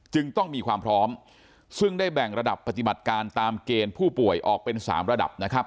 จึงต้องมีความพร้อมซึ่งได้แบ่งระดับปฏิบัติการตามเกณฑ์ผู้ป่วยออกเป็น๓ระดับนะครับ